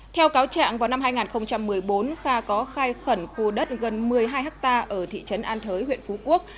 theo cáo trạng vào năm hai nghìn một mươi bốn kha có khai khẩn khu đất gần một mươi hai ha ở thị trấn an thới huyện phú quốc